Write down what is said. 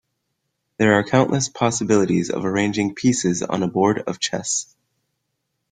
There are countless possibilities of arranging pieces on a board of chess.